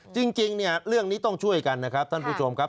จริงเนี่ยเรื่องนี้ต้องช่วยกันนะครับท่านผู้ชมครับ